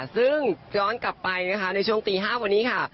ซึ่งย้อนกลับไปนะคะในช่วงตี๕วันนี้ค่ะ